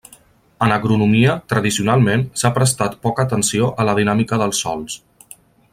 En agronomia, tradicionalment, s'ha prestat poca atenció a la dinàmica dels sòls.